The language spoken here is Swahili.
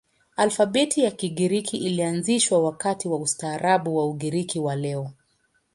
Alfabeti ya Kigiriki ilianzishwa wakati wa ustaarabu wa Ugiriki wa leo.